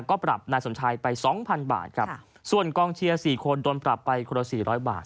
ก็ปรับนายสมชัยไปสองพันบาทครับส่วนกองเชียร์๔คนโดนปรับไปคนละสี่ร้อยบาท